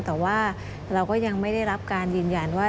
แต่ว่าเราก็ยังไม่ได้รับการยืนยันว่า